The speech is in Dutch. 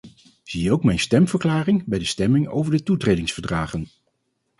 Zie ook mijn stemverklaring bij de stemming over de toetredingsverdragen.